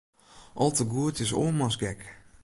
Al te goed is oarmans gek.